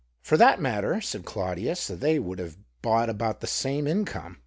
" For that matter," said Claudius, " they would both have brought about the same income.